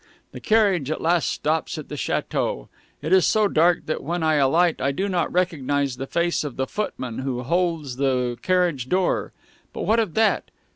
The carriage at last stops at the chateau. It is so dark that when I alight I do not recognize the face of the footman who holds the carriage door. But what of that?